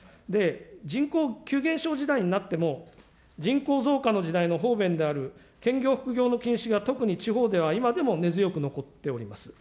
人口急減少時代になっても、人口増加の時代の方便である兼業、副業の禁止が特に地方では今まで根強く残っております。